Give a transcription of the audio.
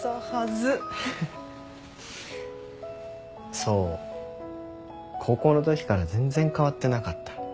想高校のときから全然変わってなかった。